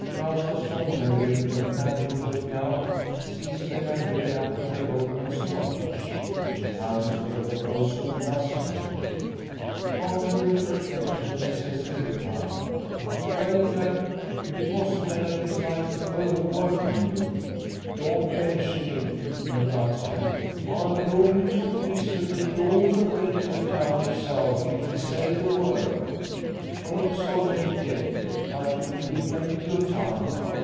Roused as from a reverie, the Captain looking out, sees they are nearly up to the boatman's cottage, which accounts for the proposal thus made. After a little reflection he says in reply: "Well, Jack; if it wasn't that I dislike over working you " "Don't mention it!" interrupts Jack, "I'll be only too pleased to take you all the way to the town itself, if ye say the word. It a'nt so late yet, but to leave me plenty of time.